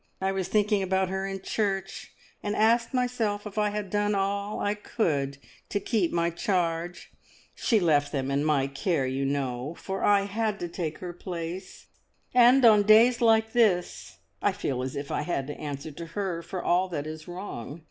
I was thinking about her in church, and asked myself if I had done all I could to keep my charge. She left them in my care, you know, for I had to take her place, and on days like this I feel as if I had to answer to her for all that is wrong.